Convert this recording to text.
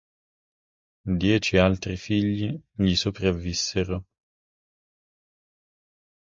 Dieci altri figli gli sopravvissero.